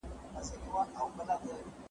د ارغنداب سیند شنو ساحو ته پرمختیا ورکړې.